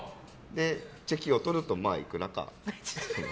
チェキを撮ると、いくらか。